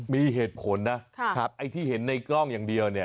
มีเหตุผลนะไอ้ที่เห็นในกล้องอย่างเดียวเนี่ย